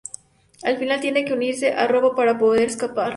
Al final tiene que unirse a Robo para poder escapar.